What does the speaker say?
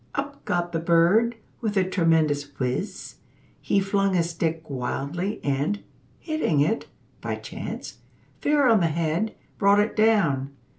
Up got the bird with a tremendous whizz! He flung his stick wildly, and, hitting it, (by chance), fair on the head, brought it down.